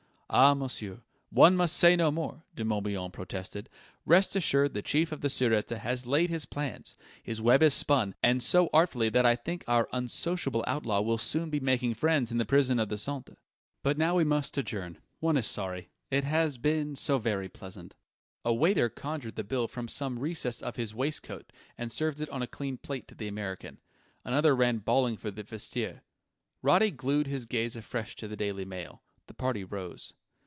"Ah, monsieur, one must say no more!" De Morbihan protested. "Rest assured the Chief of the Sûreté has laid his plans: his web is spun, and so artfully that I think our unsociable outlaw will soon be making friends in the Prison of the Santé.... But now we must adjourn. One is sorry. It has been so very pleasant...." A waiter conjured the bill from some recess of his waistcoat and served it on a clean plate to the American. Another ran bawling for the vestiaire. Roddy glued his gaze afresh to the Daily Mail. The party rose.